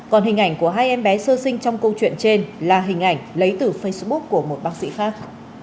còn hình ảnh của hai em bé sơ sinh trong câu chuyện trên là hình ảnh lấy từ facebook của một bác sĩ khác